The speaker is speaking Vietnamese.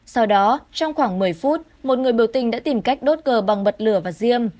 sau đó trong khoảng một mươi phút một người biểu tình đã tìm cách đốt cờ bằng bật lửa và diêm